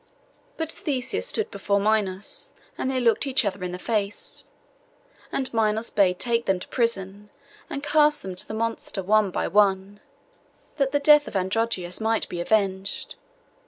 But Theseus stood before Minos, and they looked each other in the face. And Minos bade take them to prison, and cast them to the monster one by one, that the death of Androgeos might be avenged.